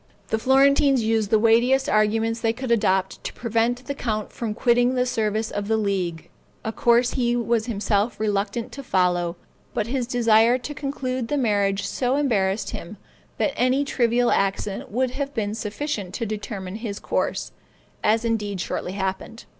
The Florentines used the weightiest arguments they could adopt to prevent the count from quitting the service of the League, a course he was himself reluctant to follow, but his desire to conclude the marriage so embarrassed him, that any trivial accident would have been sufficient to determine his course, as indeed shortly happened.